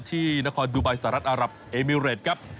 ที่นครดูไบสหรัฐอารับเอมิเรตครับ